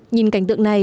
nhìn cảnh tượng này